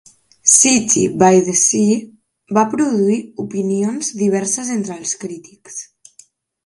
"City by the Sea" va produir opinions diverses entre els crítics.